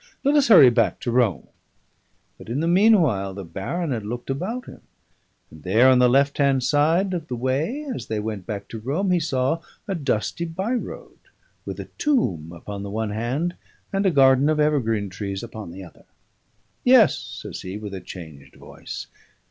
Let us hurry back to Rome.' But in the meanwhile the baron had looked about him; and there, on the left hand side of the way as they went back to Rome, he saw a dusty by road with a tomb upon the one hand and a garden of evergreen trees upon the other. 'Yes,' says he, with a changed voice.